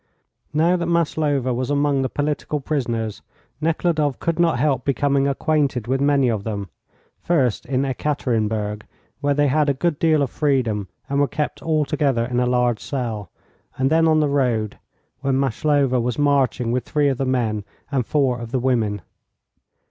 Now that Maslova was among the political prisoners, Nekhludoff could not help becoming acquainted with many of them, first in Ekaterinburg, where they had a good deal of freedom and were kept altogether in a large cell, and then on the road when Maslova was marching with three of the men and four of the women.